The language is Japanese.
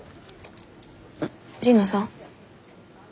神野さん？